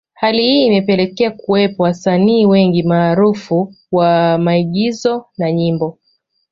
Hali hii imepelekea kuwepo wasanii wengi maarufu wa maigizo na nyimbo